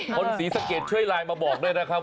ศรีสะเกดช่วยไลน์มาบอกด้วยนะครับ